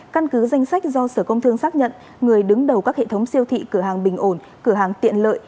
căn cứ danh sách do sở công thương xác nhận người đứng đầu các hệ thống siêu thị cửa hàng bình ổn cửa hàng tiện lợi